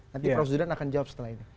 nanti prof zudan akan jawab setelah ini